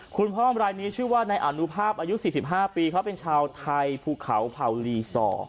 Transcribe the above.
คุณพ่ออำรายนี้ชื่อว่าในอนุภาพอายุ๔๕ปีเขาเป็นชาวไทยภูเขาภาวรีซอ